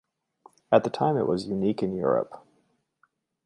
At the time it was unique in Europe.